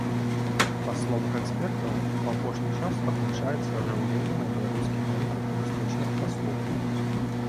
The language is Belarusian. Па словах экспертаў, у апошні час адзначаецца ажыўленне на беларускім рынку турыстычных паслуг.